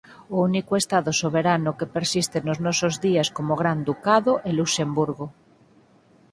O único estado soberano que persiste nos nosos días como Gran Ducado é Luxemburgo.